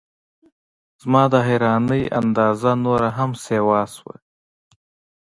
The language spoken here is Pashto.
زما د حیرانۍ اندازه نوره هم سیوا شوه.